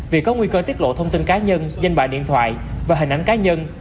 vì có nguy cơ tiết lộ thông tin cá nhân danh bạc điện thoại và hình ảnh cá nhân